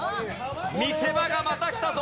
見せ場がまたきたぞ！